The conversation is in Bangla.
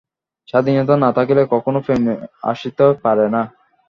স্বাধীনতা না থাকিলে কখনও প্রেম আসিতে পারে না।